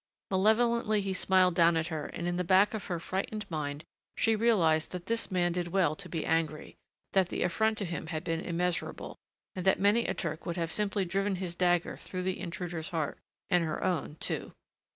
Malevolently he smiled down at her and in the back of her frightened mind she realized that this man did well to be angry, that the affront to him had been immeasurable, and that many a Turk would have simply driven his dagger through the intruder's heart and her own, too.